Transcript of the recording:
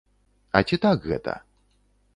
А ці так гэта?